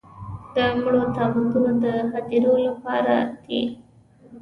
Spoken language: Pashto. د مړو تابوتونه د هديرو لپاره دي.